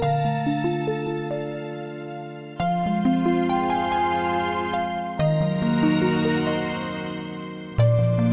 apakah ini kehidupan kalian